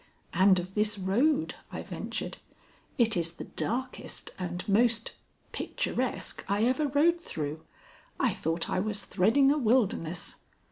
"And of this road," I ventured. "It is the darkest and most picturesque I ever rode through. I thought I was threading a wilderness."